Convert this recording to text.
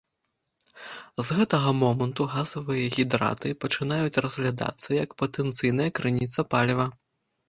З гэтага моманту газавыя гідраты пачынаюць разглядацца як патэнцыйная крыніца паліва.